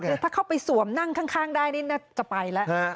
คือถ้าเข้าไปสวมนั่งข้างได้นี่น่าจะไปแล้ว